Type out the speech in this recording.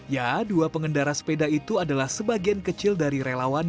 ya dua pengendara sepeda itu adalah sebagian kecil dari relawan